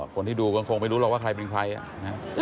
คนที่ดูก็คงไม่รู้หรอกว่าใครเป็นใครอ่ะนะ